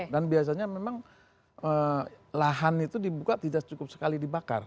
dan biasanya memang lahan itu dibuka tidak cukup sekali dibakar